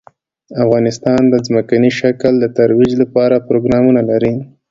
افغانستان د ځمکنی شکل د ترویج لپاره پروګرامونه لري.